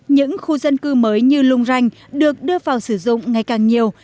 những khu dân cư mới như lung ranh được đưa vào sử dụng ngày càng nhiều